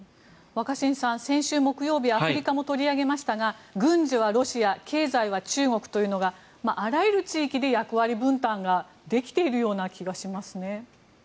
若新さん、先週木曜日アフリカも取り上げましたが軍事はロシア経済は中国というのがあらゆる地域で役割分担ができているような気がしますね。